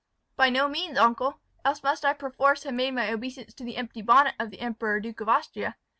"By no means, uncle, else must I perforce have made my obeisance to the empty bonnet of the Emperor Duke of Austria.